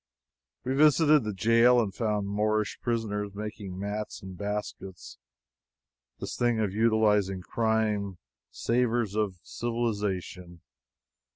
We visited the jail and found Moorish prisoners making mats and baskets. (This thing of utilizing crime savors of civilization.)